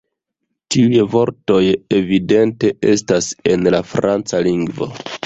Tiuj vortoj evidente estas en la franca lingvo.